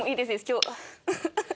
今日。